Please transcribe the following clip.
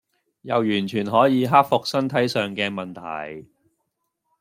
又完全可以克服身體上嘅問題